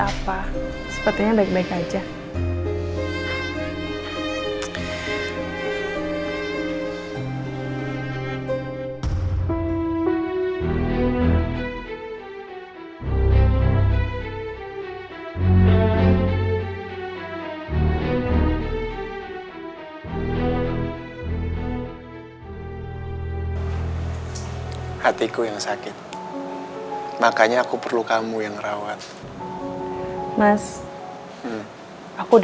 rawat dilarang ngusir pasiennya yang sedang sakit